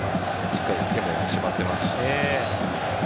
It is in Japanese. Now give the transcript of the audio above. しっかり手もしまってますし。